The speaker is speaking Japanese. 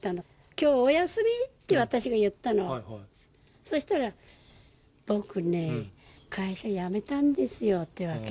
きょうお休み？って私が言ったの、そしたら、僕ね、会社辞めたんですよって言うわけ。